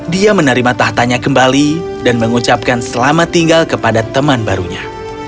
dia menerima tahtanya kembali dan mengucapkan selamat tinggal kepada teman barunya